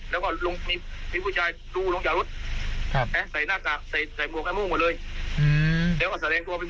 แล้วก็มีผู้ชายดูหลงจากรถ